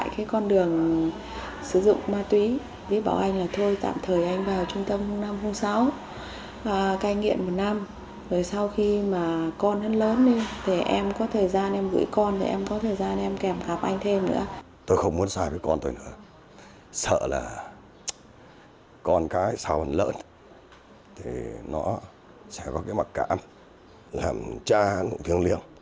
không muốn sai với con tôi nữa sợ là con cái sau lỡ thì nó sẽ có cái mặc cảm làm cha viêng liềng